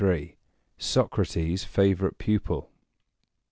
LXIII. SOCRATES' FAVORITE PUPIL.